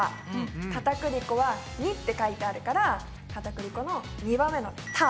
かたくり粉は②って書いてあるからかたくり粉の２番目の「た」。